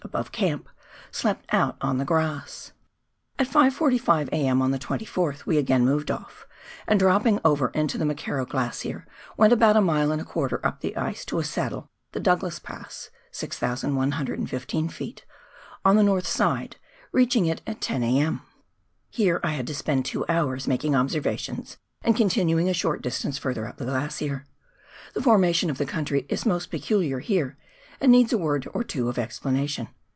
above camp, slept out on the grass. At 5.45 a.m. on the 24th we again moved off, and dropping over into the McKerrow Glacier went about a mile and a quarter up the ice to a saddle (the Douglas Pass, 6,115 ft.) on the north side, reaching it at 10 a.m. Here I had to spend two hours making observations, and con tinuing a short distance further up the glacier. The formation of the country is most peculiar here, and needs a word or two of explanation.